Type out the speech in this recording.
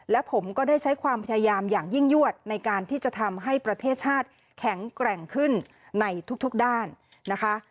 และผมก็ได้ใช้ความพยายามอย่างยิ่งยวดในการที่จะทำให้ประเทศชาติแข็งแกร่งขึ้นในทุกด้านนะคะ